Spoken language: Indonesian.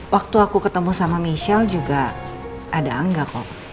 waktu aku ketemu sama michelle juga ada angga kok